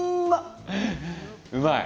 うまい？